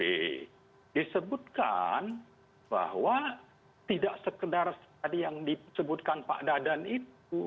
jadi disebutkan bahwa tidak sekedar tadi yang disebutkan pak dadan itu